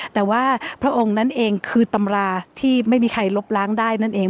แต่ว่าพระองค์นั้นเองคือตำราที่ไม่มีใครลบล้างได้นั่นเอง